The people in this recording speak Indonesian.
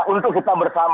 untuk kita bersama